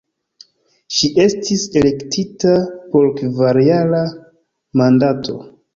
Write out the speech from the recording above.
Ŝi estis elektita por kvarjara mandato.